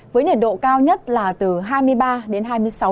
với nhiệt độ cao nhất là từ hai mươi ba đến hai mươi bốn